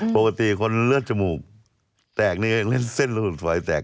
ปกติคนเลือดจมูกแตกนี่เองเล่นเส้นสมุดฝอยแตก